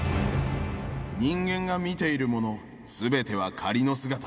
人間が見ているもの、すべては仮の姿。